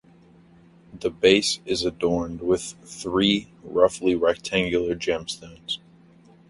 The base is adorned with three roughly rectangular gemstones.